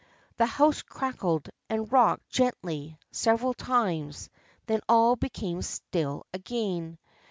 The house crackled and rocked gently several times; then all became still again.